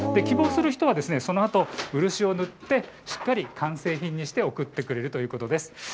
希望する人はそのあと漆を塗ってしっかり完成品にして送ってくれるということです。